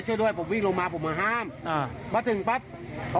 ความมีความมายจนถึงก็ทุบคืน